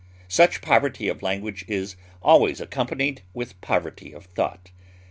Such poverty of language is always accompanied with poverty of thought.